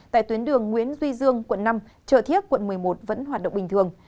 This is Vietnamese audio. tại tuyến đường nguyễn duy dương quận năm chợ thiết quận một mươi một vẫn hoạt động bình thường